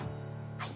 はい。